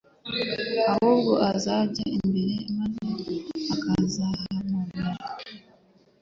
ahubwo azijya imbere maze akazihamagara.